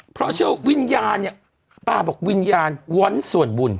เพราะวิญญาณป้าบอกวิญญาณว้นส่วนบุญ